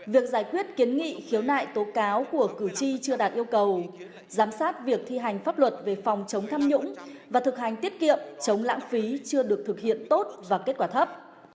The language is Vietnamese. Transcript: việc giải quyết kiến nghị khiếu nại tố cáo của cử tri chưa đạt yêu cầu giám sát việc thi hành pháp luật về phòng chống tham nhũng và thực hành tiết kiệm chống lãng phí chưa được thực hiện tốt và kết quả thấp